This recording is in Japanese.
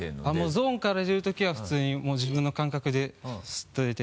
ゾーンから出る時は普通にもう自分の感覚でスッと出て。